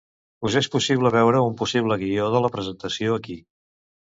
Us és possible veure un possible guió de la presentació aquí.